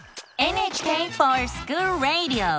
「ＮＨＫｆｏｒＳｃｈｏｏｌＲａｄｉｏ」！